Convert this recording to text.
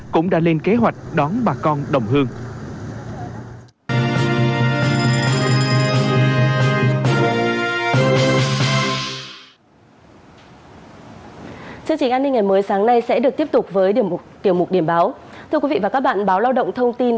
cũng đã lên kế hoạch đón bà con đồng hương